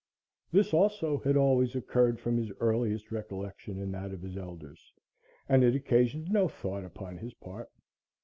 This, also, had always occurred from his earliest recollection and that of his elders, and it occasioned no thought upon his part.